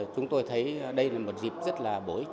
chúng tôi thấy đây là một dịp rất là bối